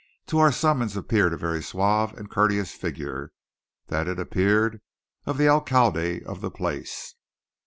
To our summons appeared a very suave and courteous figure that, it appeared, of the alcalde of the place.